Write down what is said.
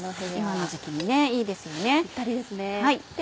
今の時期にいいですよね。